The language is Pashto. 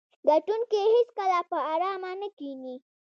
ګټونکي هیڅکله په ارامه نه کیني.